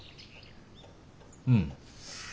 うん。